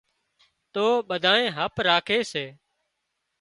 تو ٻڌانئي هپ راکي سي